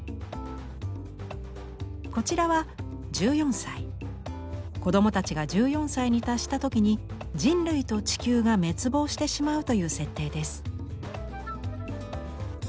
こちらは子供たちが１４歳に達した時に人類と地球が滅亡してしまうという設定です。